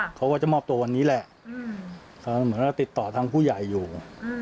เขาก็จะมอบตัววันนี้แหละเขาเหมือนว่าติดต่อทางผู้ใหญ่อยู่